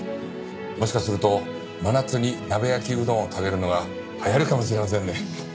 もしかすると真夏に鍋焼きうどんを食べるのが流行るかもしれませんね。